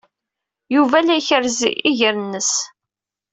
Yuba la ikerrez iger-nnes.